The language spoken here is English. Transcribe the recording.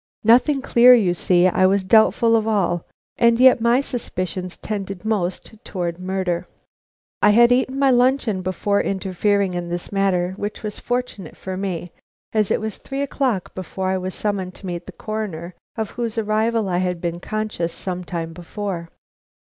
Nothing clear, you see. I was doubtful of all; and yet my suspicions tended most toward murder. I had eaten my luncheon before interfering in this matter, which was fortunate for me, as it was three o'clock before I was summoned to meet the Coroner, of whose arrival I had been conscious some time before.